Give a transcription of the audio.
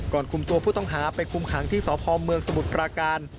คุมตัวผู้ต้องหาไปคุมขังที่สพเมืองสมุทรปราการ